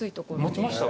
持ちました？